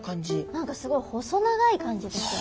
何かすごい細長い感じですよね。